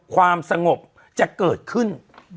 ความสงบจะเกิดขึ้น